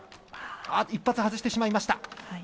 １発外してしまいました。